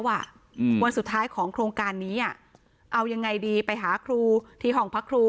วันสุดท้ายของโครงการนี้อ่ะเอายังไงดีไปหาครูที่ห้องพระครู